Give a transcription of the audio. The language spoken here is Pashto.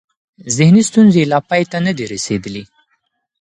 ذهني ستونزې یې لا پای ته نه دي رسېدلې.